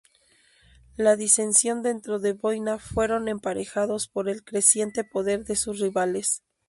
La disensión dentro de Boina fueron emparejados por el creciente poder de sus rivales.